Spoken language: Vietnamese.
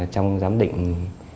trong giám định